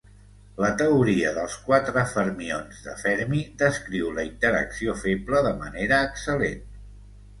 La teoria dels quatre fermions de Fermi descriu la interacció feble de manera excel·lent.